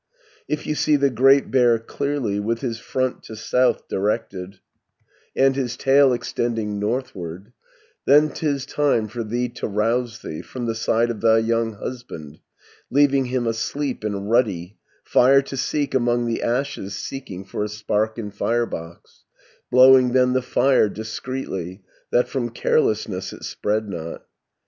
120 "If you see the Great Bear clearly, With his front to south directed, And his tail extending northward, Then 'tis time for thee to rouse thee From the side of thy young husband, Leaving him asleep and ruddy, Fire to seek among the ashes Seeking for a spark in firebox, Blowing then the fire discreetly, That from carelessness it spread not.